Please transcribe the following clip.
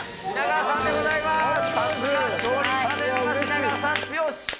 品川さんでございます。